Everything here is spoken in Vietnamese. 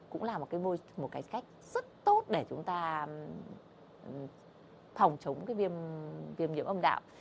cũng là một cái cách rất tốt để chúng ta phòng chống cái viêm nhiễm âm đạo